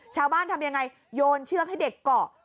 ชาวบ้านทำอย่างไรโยนเชือกให้เด็กเกาะ